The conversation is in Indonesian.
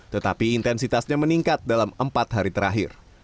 tetapi intensitasnya meningkat dalam empat hari terakhir